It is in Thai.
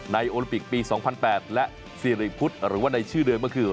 โอลิมปิกปี๒๐๐๘และสิริพุทธหรือว่าในชื่อเดิมก็คือ